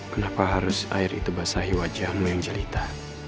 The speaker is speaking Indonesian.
kenapa air itu harus basahi wajahmu yang jelita